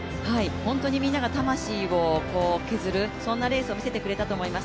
本当にみんなが魂を削る、そんなレースを見せてくれたと思います。